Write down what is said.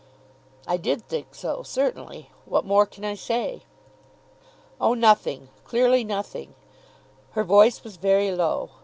"I did think so certainly. What more can I say?" "Oh, nothing; clearly nothing." Her voice was very low.